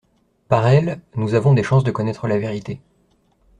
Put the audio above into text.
Par elle, nous avons des chances de connaître la vérité.